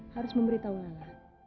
harus memberitahu lala